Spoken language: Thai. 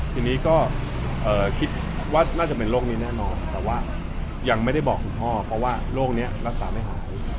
ทีนี้ก็คิดว่าน่าจะเป็นโรคนี้แน่นอนแต่ว่ายังไม่ได้บอกคุณพ่อเพราะว่าโรคนี้รักษาไม่หาย